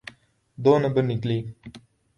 دو number نکلی۔